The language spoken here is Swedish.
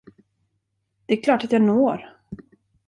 Det är klart att jag når.